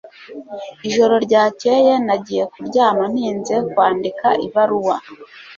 Ijoro ryakeye nagiye kuryama ntinze kwandika ibaruwa